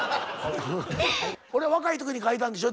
これ若い時に書いたんでしょ？